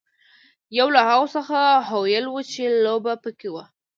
یوه له هغو څخه هویل وه چې لوبه پکې وه.